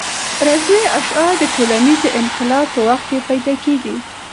رزمي اشعار د ټولنیز انقلاب په وخت کې پیدا کېږي.